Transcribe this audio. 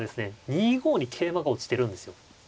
２五に桂馬が落ちてるんですよ。